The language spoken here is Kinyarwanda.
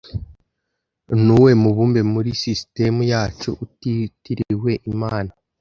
Ni uwuhe mubumbe muri sisitemu yacu utitiriwe imana